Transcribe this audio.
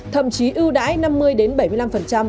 thậm chí ưu đãi năm mươi đến bảy mươi năm phần trăm